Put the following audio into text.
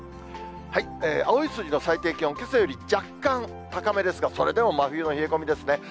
青い数字の最低気温、けさより若干高めですが、それでも真冬の冷え込みですね。